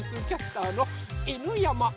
キャスターの犬山